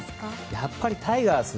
やっぱりタイガース